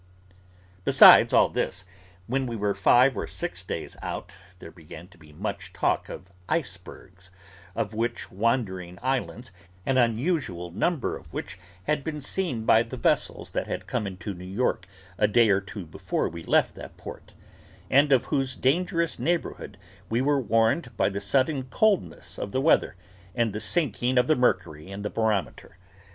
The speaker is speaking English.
Besides all this, when we were five or six days out, there began to be much talk of icebergs, of which wandering islands an unusual number had been seen by the vessels that had come into New York a day or two before we left that port, and of whose dangerous neighbourhood we were warned by the sudden coldness of the weather, and the sinking of the mercury in the barometer.